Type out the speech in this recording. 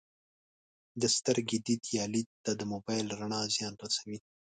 د سترګو دید یا لید ته د موبایل رڼا زیان رسوي